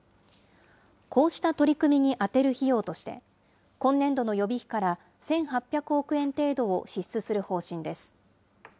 こうした取り組みに充てる費用として、今年度の予備費から１８００億円程度を支出する方針です。